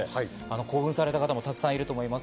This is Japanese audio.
興奮された方もたくさんいると思います。